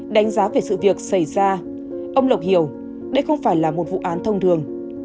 đánh giá về sự việc xảy ra ông lộc hiểu đây không phải là một vụ án thông thường